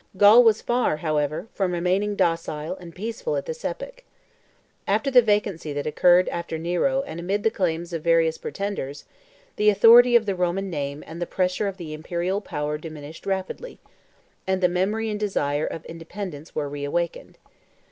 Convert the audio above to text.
Gaul was far, however, from remaining docile and peaceful at this epoch. At the vacancy that occurred after Nero and amid the claims of various pretenders, the authority of the Roman name and the pressure of the imperial power diminished rapidly; and the memory and desire of independence were reawakened.